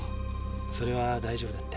それは大丈夫だって。